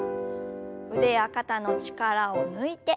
腕や肩の力を抜いて。